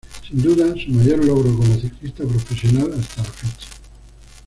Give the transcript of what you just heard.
Sin duda, su mayor logro como ciclista profesional hasta la fecha.